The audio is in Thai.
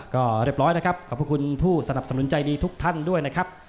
ก็เรียบร้อยนะครับขอบคุณผู้สนับสนุนใจดีทุกท่านด้วยนะครับ